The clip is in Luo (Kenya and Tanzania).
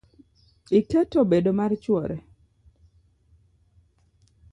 Iketo bedo mar chwore.